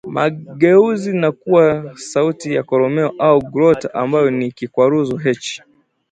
mageuzi na kuwa sauti ya koromeo/glota ambayo ni kikwaruzo "h"